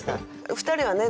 ２人はね